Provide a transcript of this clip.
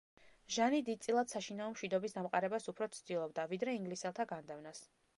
ჟანი დიდწილად საშინაო მშვიდობის დამყარებას უფრო ცდილობდა, ვიდრე ინგლისელთა განდევნას.